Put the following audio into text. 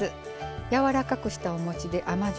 やわらかくしたおもちで甘じょ